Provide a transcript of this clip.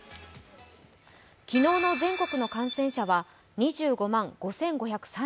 昨日の全国の感染者は２５万５５３４人。